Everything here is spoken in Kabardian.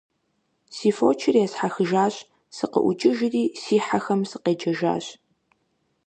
Си фочыр есхьэхыжащ, сыкъыӀукӀыжри си хьэхэм сыкъеджэжащ.